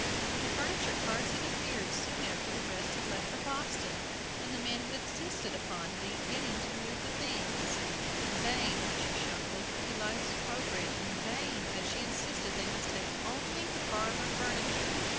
The furniture carts had appeared soon after the rest had left for Boston, and the men had insisted upon beginning to move the things. In vain had she shown Elizabeth Eliza's programme; in vain had she insisted they must take only the parlor furniture.